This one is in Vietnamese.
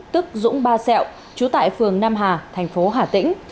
tức dũng ba xẹo trú tại phường nam hà thành phố hà tĩnh